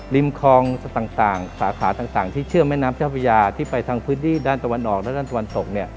ริมคลองต่างสาขาต่างที่เชื่อมแม่น้ำเจ้าพระยาที่ไปทางพื้นที่ด้านตะวันออกและด้านตะวันตก